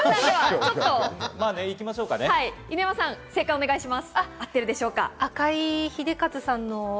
犬山さん、正解をお願いします。